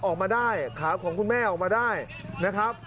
ออกมาได้ขาของคุณแม่ออกมาได้นะครับ